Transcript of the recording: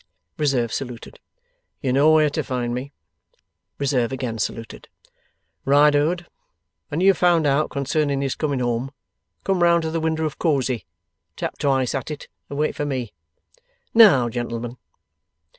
Reserve saluted. 'You know where to find me?' Reserve again saluted. 'Riderhood, when you have found out concerning his coming home, come round to the window of Cosy, tap twice at it, and wait for me. Now, gentlemen.